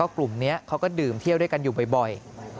กลุ่มนี้เขาก็ดื่มเที่ยวด้วยกันอยู่บ่อย